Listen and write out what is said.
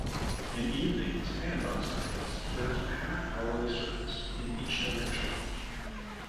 In evenings and on Sundays there is a half-hourly service in each direction.